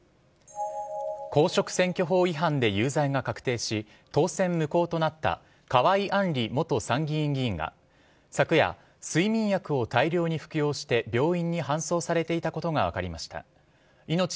公職選挙法違反で有罪が確定し当選無効となった河井案里元参議院議員が昨夜、睡眠薬を大量に服用して病院に搬送されていたことが分かりました。